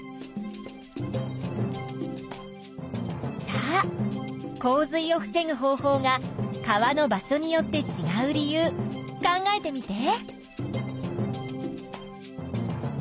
さあ洪水を防ぐ方法が川の場所によってちがう理由考えてみて。